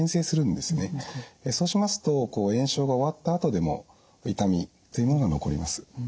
そうしますと炎症が終わったあとでも痛みっていうものが残ります。